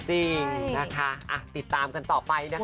จริงนะคะติดตามกันต่อไปนะคะ